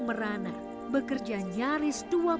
merana bekerja nyaris